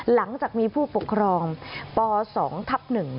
หลังจากมีผู้ปกครองป๒ทับ๑